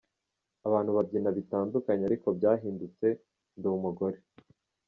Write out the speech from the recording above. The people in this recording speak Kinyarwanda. Abantu bambina bitandukanye ariko byahindutse, ndi umugore”.